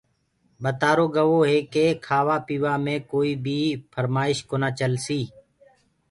ٻتآرو گوو هي ڪي کآوآ پيوآ مي ڪوئيٚ بيٚ ڦرمآش ڪونآ چلسيٚ